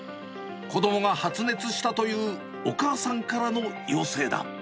子どもが発熱したというお母さんからの要請だ。